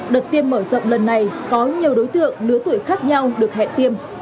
đợt tiêm mở rộng lần này có nhiều đối tượng lứa tuổi khác nhau được hẹn tiêm